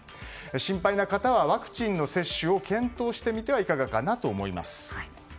心配な方はワクチンの接種を検討してみてはいかがかなと思います。